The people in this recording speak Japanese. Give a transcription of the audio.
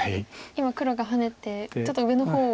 今黒がハネてちょっと上の方を。